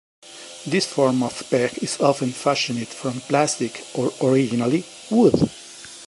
This form of peg is often fashioned from plastic, or originally, wood.